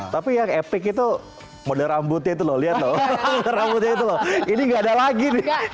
tapi yang epic itu model rambutnya itu loh ini enggak ada lagi